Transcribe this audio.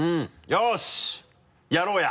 よしやろうや！